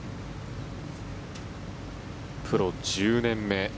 プロ１０年目。